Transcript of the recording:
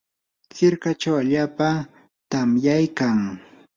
hirkachaw allaapa tamyaykan.